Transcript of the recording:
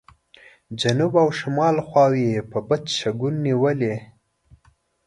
جنوب او شمال خوا یې په بد شګون نیولې.